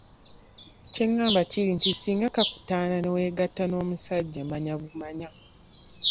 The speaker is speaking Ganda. Kye ngamba kiri nti, singa kakutanda ne weegatta n'omusajja manya bumanya